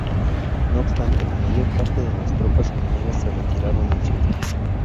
No obstante, la mayor parte de las tropas enemigas se retiraron al sur.